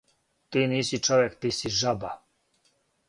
Ти ниси човек ти си жаба!